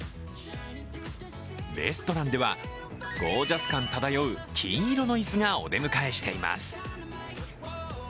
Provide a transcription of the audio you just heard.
レストランではゴージャス感漂う金色の椅子がお出迎えしています。